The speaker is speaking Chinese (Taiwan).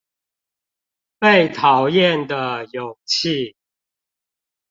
被討厭的勇氣